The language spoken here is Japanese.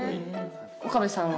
岡部さんは？